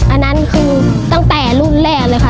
อันนั้นคือตั้งแต่รุ่นแรกเลยค่ะ